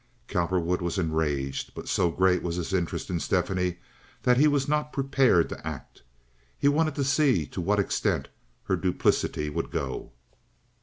Cowperwood was enraged, but so great was his interest in Stephanie that he was not prepared to act. He wanted to see to what extent her duplicity would go.